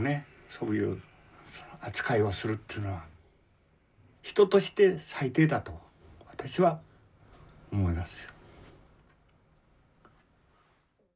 そういう扱いをするっていうのは人として最低だと私は思います。